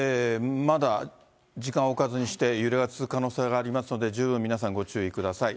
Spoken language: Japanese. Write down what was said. まだ時間を置かずにして、揺れは続く可能性がありますので、十分皆さんご注意ください。